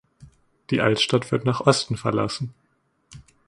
Die Altstadt wird nach Osten verlassen.